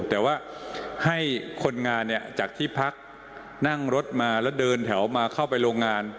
แต่ว่าให้คนงานเนี่ยจากที่พักนั่งรถมาแล้วเดินแถวมาเข้าไปโรงงาน